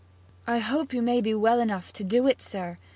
'I hope you may be well enough to do it, sir.